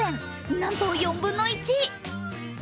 なんと４分の１。